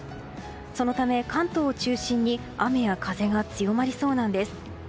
そのため、関東を中心に雨や風が強まりそうなんです。